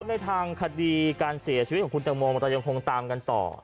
ในทางขดีการเสียชีวิตของคุณเต็งโมว่ามอตยงคลมตามกันต่อ